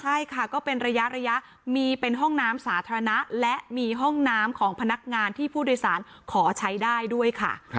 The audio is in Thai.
ใช่ค่ะก็เป็นระยะมีเป็นห้องน้ำสาธารณะและมีห้องน้ำของพนักงานที่ผู้โดยสารขอใช้ได้ด้วยค่ะ